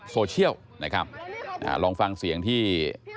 โซเชียลนะครับลองฟังเสียงที่